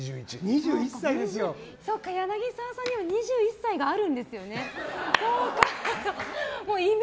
そうか、柳沢さんにも２１歳があるんですよね。